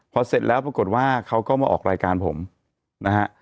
พอเสร็จแล้วปรากฏว่าเขาก็มาออกรายการผมนะฮะ